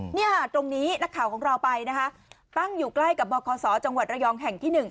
เนี่ยตรงนี้นักข่าวของเราไปนะคะตั้งอยู่ใกล้กับบคศจังหวัดระยองแห่งที่หนึ่ง